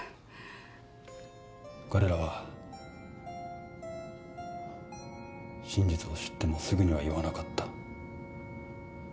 彼らは真実を知ってもすぐには言わなかった。